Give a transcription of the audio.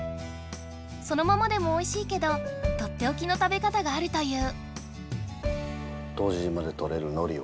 そのままでもおいしいけどとっておきの食べ方があるという。